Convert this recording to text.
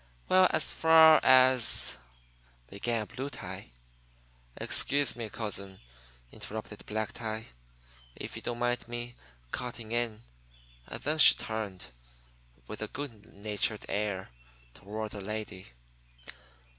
"Well, as far as " began Blue Tie. "Excuse me, cousin," interrupted Black Tie, "if you don't mind my cutting in." And then he turned, with a good natured air, toward the lady.